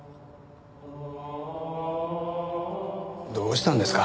どうしたんですか？